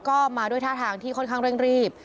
ก็มาด้วยท่าทางที่ค่อนข้างเร่งรีบ